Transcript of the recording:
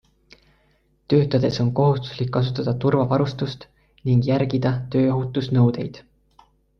Töötades on kohustuslik kasutada turvavarustust ning järgida tööohutusnõudeid.